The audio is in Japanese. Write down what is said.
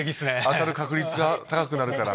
当たる確率が高くなるから。